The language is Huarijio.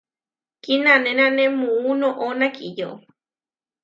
Kinanénane muú noʼó nakiyó.